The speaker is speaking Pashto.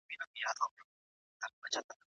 سعید په خپل قلم سره په کتابچه کې انځورونه کاږل.